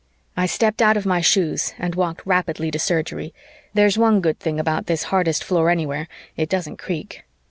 I stepped out of my shoes and walked rapidly to Surgery there's one good thing about this hardest floor anywhere, it doesn't creak.